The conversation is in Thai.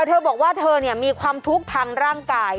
เธอบอกว่าเธอมีความทุกข์ทางร่างกาย